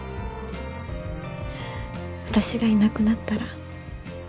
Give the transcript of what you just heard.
私がいなくなったら。